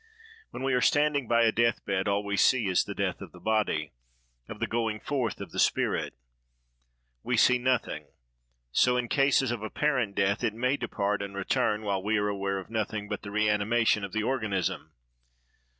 When we are standing by a death bed, all we see is the death of the body—of the going forth of the spirit we see nothing: so, in cases of apparent death, it may depart and return, while we are aware of nothing but the reanimation of the organism.